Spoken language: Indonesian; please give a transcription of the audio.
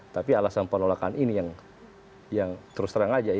tapi alasan penolakan ini yang terus terang aja